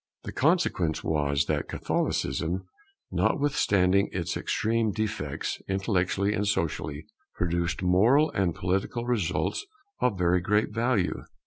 The consequence was that Catholicism, notwithstanding its extreme defects intellectually and socially, produced moral and political results of very great value.